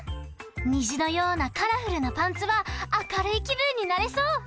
にじのようなカラフルなパンツはあかるいきぶんになれそう！